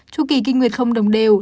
chủ kỳ kinh nguyệt không đồng đều